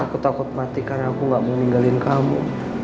aku takut mati karena aku gak mau ninggalin kamu